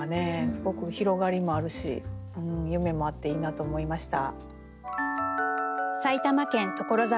すごく広がりもあるし夢もあっていいなと思いました。